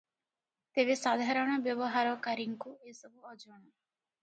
ତେବେ ସାଧାରଣ ବ୍ୟବହାରକାରୀଙ୍କୁ ଏସବୁ ଅଜଣା ।